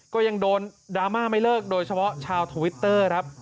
ก็ยังโดนดราม่าไม่เลิกโดยเฉพาะชาวทวิตเตอร์ครับ